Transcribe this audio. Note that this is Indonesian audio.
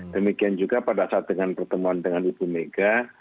demikian juga pada saat dengan pertemuan dengan ibu mega